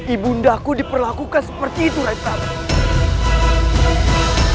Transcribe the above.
ibu undaku diperlakukan seperti itu raif rahim